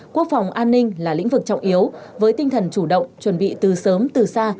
quốc phòng an ninh là lĩnh vực trọng yếu với tinh thần chủ động chuẩn bị từ sớm từ xa